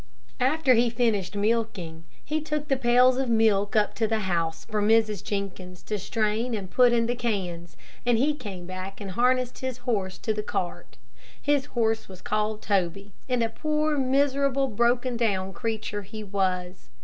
After he finished milking, he took the pails of milk up to the house for Mrs. Jenkins to strain and put in the cans, and he came back and harnessed his horse to the cart. His horse was called Toby, and a poor, miserable, broken down creature he was.